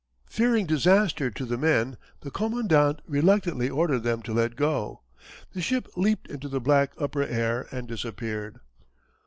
Fearing disaster to the men the commandant reluctantly ordered them to let go. The ship leaped into the black upper air and disappeared.